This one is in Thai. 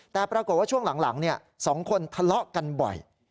แต่ปรากฏว่าช่วงหลัง๒คนทะเลาะกันบ่อย